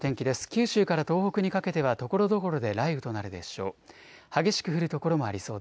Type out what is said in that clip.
九州から東北にかけてはところどころで雷雨となるでしょう。